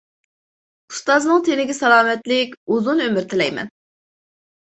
ئۇستازنىڭ تېنىگە سالامەتلىك، ئۇزۇن ئۆمۈر تىلەيمەن.